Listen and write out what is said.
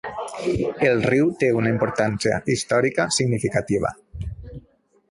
El riu té una importància històrica significativa.